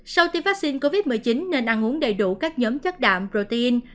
sau tiêm vaccine covid một mươi chín nên ăn uống đầy đủ các nhóm chất đạm protein